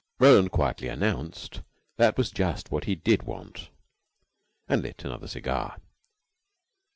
Roland quietly announced that was just what he did want, and lit another cigar.